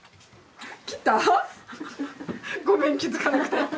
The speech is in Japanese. ごめん気付かなくて。